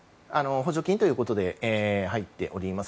補助金ということで入っております。